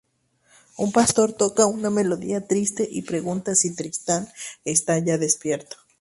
Un pastor toca una melodía triste y pregunta si Tristán está ya despierto.